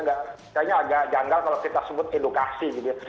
kayaknya agak janggal kalau kita sebut edukasi gitu ya